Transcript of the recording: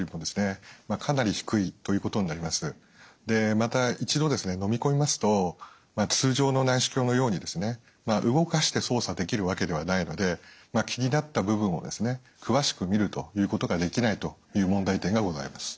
また一度飲み込みますと通常の内視鏡のように動かして操作できるわけではないので気になった部分を詳しく見るということができないという問題点がございます。